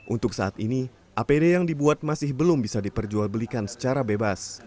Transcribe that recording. untuk saat ini apd yang dibuat masih belum bisa diperjualbelikan secara bebas